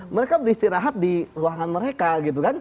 mereka beristirahat di ruangan mereka gitu kan